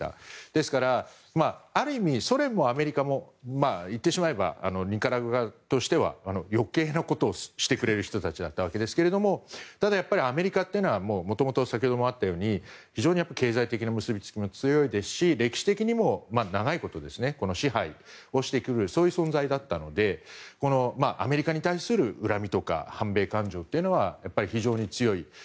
ですから、ある意味ソ連もアメリカも言ってしまえばニカラグアとしては余計なことをしてくれる人たちだったわけですがただ、やはりアメリカというのはもともと先ほどもあったように非常に経済的な結びつきも強いですし、歴史的にも長いこと支配をしてくる存在だったのでアメリカに対する恨みとか反米感情というのは非常に強い。